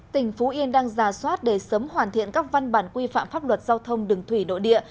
tỉnh phú yên đang ra soát để sớm hoàn thiện các văn bản quy phạm pháp luật giao thông đường thủy nội địa